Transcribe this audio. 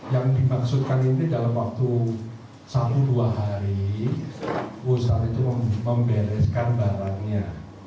yang dimaksudkan ini dalam waktu satu dua hari ustaz itu membereskan barangnya